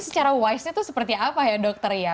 secara wisenya itu seperti apa ya dokter ya